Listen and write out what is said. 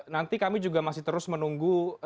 nanti kami juga masih terus menunggu